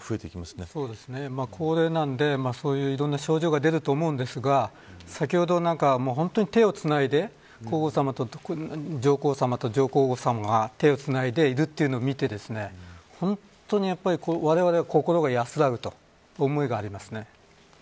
高齢なので、いろんな症状が出ると思うんですが先ほど、なんか手をつないで上皇さまと上皇后さまが手をつないでいるというのを見て本当にわれわれは心が安らぐという思いがあります。